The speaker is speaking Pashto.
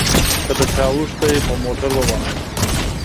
که د چا اوښ دې په موټر ووهه.